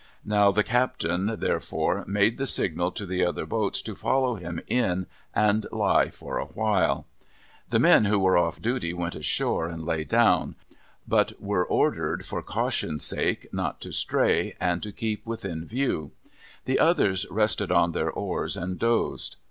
Now, the Captain, therefore, made the signal to the other boats to follow him in and lie by a while. The men who were off duty went ashore, and lay down, but were ordered, for caution's sake, not to stray, and to keep within view. 'I'he others rested on their oars, and dozed.